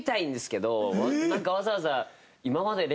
なんかわざわざ。